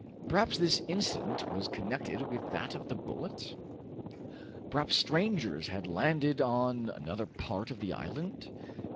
Perhaps this incident was connected with that of the bullet? Perhaps strangers had landed on another part of the island?